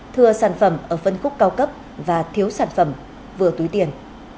thừa sản phẩm ở phân khúc cao cấp và thiếu sản phẩm vừa túi tiền